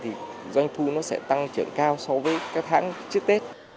thì doanh thu nó sẽ tăng trưởng cao so với các hãng trước tết